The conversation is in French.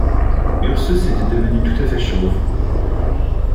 Ursus était devenu tout à fait chauve.